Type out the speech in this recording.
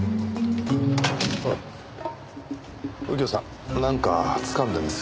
右京さんなんかつかんでるんです？